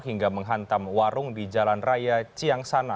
hingga menghantam warung di jalan raya ciang sana